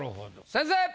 先生！